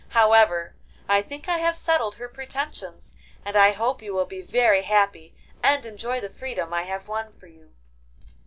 However, I think I have settled her pretensions, and I hope you will be very happy and enjoy the freedom I have won for you.